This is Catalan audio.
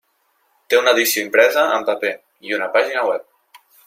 Té una edició impresa en paper i una pàgina web.